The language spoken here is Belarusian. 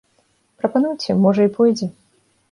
Прапануйце, можа і пойдзе.